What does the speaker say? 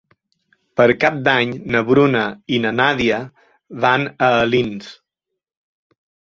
Per Cap d'Any na Bruna i na Nàdia van a Alins.